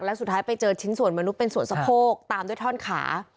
และสุดท้ายไปเจอชิ้นส่วนมนุษย์เป็นส่วนสะโพกตามด้วยท่อนขา